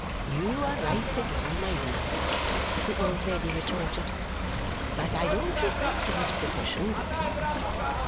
"You are right again, my dear," the old lady retorted, "but I don't refer to his profession, look you."